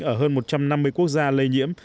ở hơn một trăm năm mươi quốc gia lây nhiễm